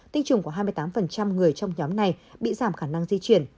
tiêm chủng của hai mươi tám người trong nhóm này bị giảm khả năng di chuyển